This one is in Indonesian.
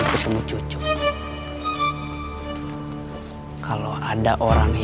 itu pas aku merasa epa ber prés